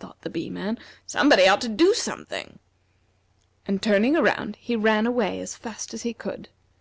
thought the Bee man. "Somebody ought to do something." And turning around, he ran away as fast as he could.